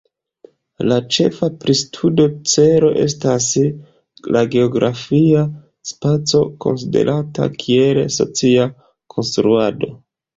La ĉefa pristudo celo estas la geografia spaco, konsiderata kiel socia konstruado.